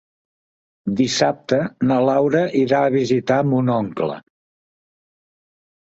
Dissabte na Laura irà a visitar mon oncle.